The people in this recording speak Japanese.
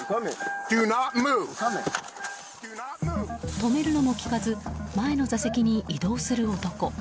止めるのも聞かず前の座席に移動する男。